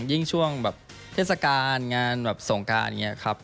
ยิ่งช่วงแบบเทศกาลงานส่งการเนี่ยครับ